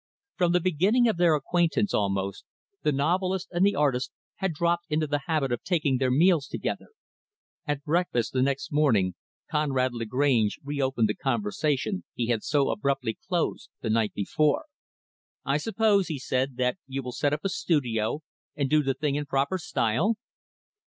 From the beginning of their acquaintance, almost, the novelist and the artist had dropped into the habit of taking their meals together. At breakfast, the next morning, Conrad Lagrange reopened the conversation he had so abruptly closed the night before. "I suppose," he said, "that you will set up a studio, and do the thing in proper style?"